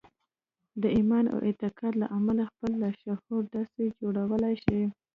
د ايمان او اعتقاد له امله خپل لاشعور داسې جوړولای شئ.